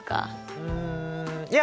うんいや